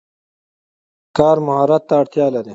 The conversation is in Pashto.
کار مهارت ته اړتیا لري.